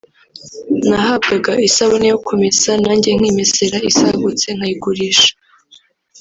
nahabwaga isabune yo ku mesa nanjye nkimesera isagutse nkayigurisha